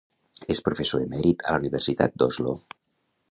És professor emèrit a la Universitat d'Oslo.